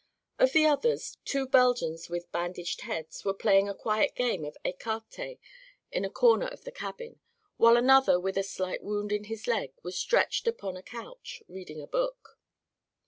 Of the others, two Belgians with bandaged heads were playing a quiet game of écarté in a corner of the cabin, while another with a slight wound in his leg was stretched upon a couch, reading a book.